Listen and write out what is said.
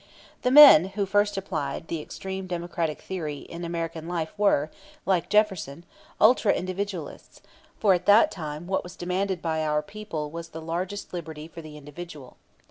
The men who first applied the extreme Democratic theory in American life were, like Jefferson, ultra individualists, for at that time what was demanded by our people was the largest liberty for the individual.